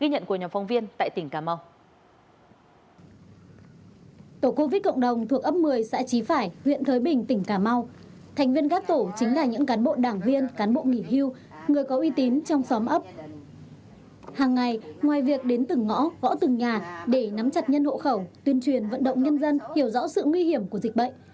hàng ngày ngoài việc đến từng ngõ võ từng nhà để nắm chặt nhân hộ khẩu tuyên truyền vận động nhân dân hiểu rõ sự nguy hiểm của dịch bệnh